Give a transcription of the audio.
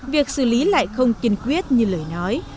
việc xử lý lại không kiên quyết như lời nói